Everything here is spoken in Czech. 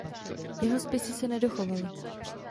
Jeho spisy se nedochovaly.